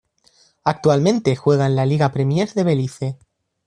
Actualmente juega en la Liga Premier de Belice.